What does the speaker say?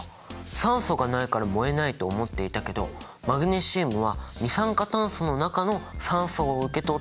酸素がないから燃えないと思っていたけどマグネシウムは二酸化炭素の中の酸素を受け取って酸化された。